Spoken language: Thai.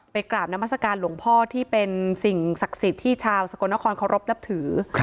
กราบนามัศกาลหลวงพ่อที่เป็นสิ่งศักดิ์สิทธิ์ที่ชาวสกลนครเคารพนับถือ